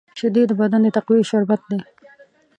شیدې د بدن د تقویې شربت دی